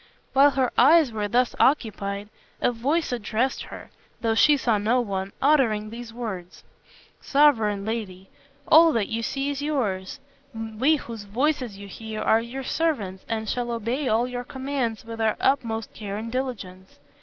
While her eyes were thus occupied, a voice addressed her, though she saw no one, uttering these words: "Sovereign lady, all that you see is yours. We whose voices you hear are your servants and shall obey all your commands with our utmost care and diligence.